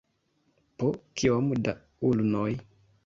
Po kiom da ulnoj?